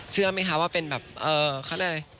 เชื่อไหมคะว่าเป็นแบบเขาเรียกอะไร